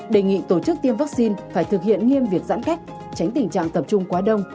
đề nghị tổ chức tiêm vaccine phải thực hiện nghiêm việc giãn cách tránh tình trạng tập trung quá đông